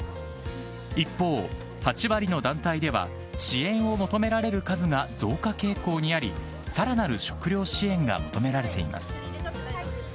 一方、８割の団体では、支援を求められる数が増加傾向にあり、さらなる食料支援が求められています。